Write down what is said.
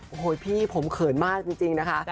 โอ้โหพี่ผมเขินมากจริงนะคะ